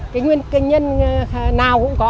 cái nguyên nhân nào cũng có